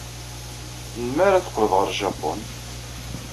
Melmi ara teqqleḍ ɣer Japun?